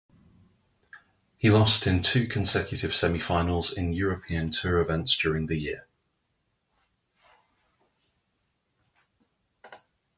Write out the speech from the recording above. He lost in two consecutive semi-finals in European Tour events during the year.